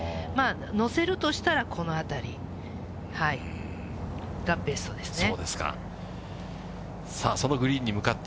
乗せるとしたらこの辺りがベストですね。